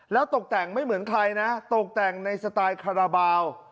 แล้วตกแต่งไม่เหมือนใครนะตกแต่งในสไตล์คาราบาล